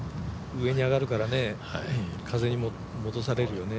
上に上がるから風に戻されるよね。